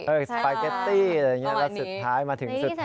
เออสปาเก็ตตี้แล้วสุดท้ายมาถึงสุดท้าย